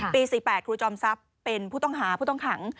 ปี๔๘ครูจอมทรัพย์เป็นผู้ต้องหาผู้ต้องขัง